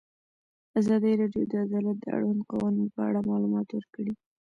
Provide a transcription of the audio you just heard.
ازادي راډیو د عدالت د اړونده قوانینو په اړه معلومات ورکړي.